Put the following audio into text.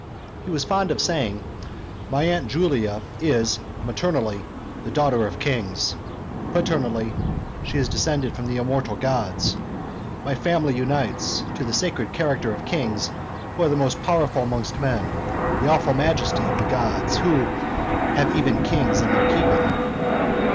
He was fond of saying, "My aunt Julia is, maternally, the daughter of kings; paternally, she is descended from the immortal gods; my family unites, to the sacred character of kings who are the most powerful amongst men, the awful majesty of the gods who have even kings in their keeping."